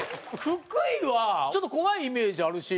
福井はちょっと怖いイメージあるし。